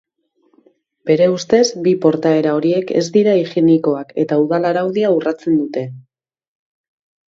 Bere ustez, bi portaera horiek ez dira higienikoak eta udal-araudia urratzen dute.